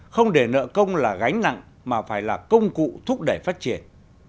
không để nợ công là gánh nặng mà phải là công cụ thúc đẩy phát triển